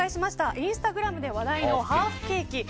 インスタグラムで話題のハーフケーキ。